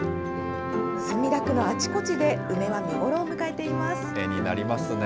墨田区のあちこちで、梅は見頃を迎えています。